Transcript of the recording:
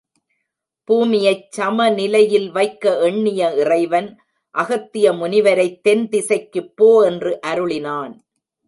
பூமியைச் சமநிலையில் வைக்க எண்ணிய இறைவன் அகத்திய முனிவரைத் தென் திசைக்குப் போ என்று அருளினான்.